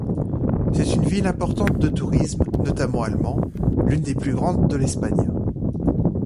C'est une ville importante de tourisme, notamment allemand, l'une des plus grandes de l'Espagne.